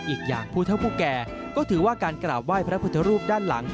อีกอย่างผู้เท่าผู้แก่ก็ถือว่าการกราบไหว้พระพุทธรูปด้านหลัง